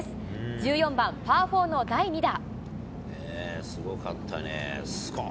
１４番パー４の第２打。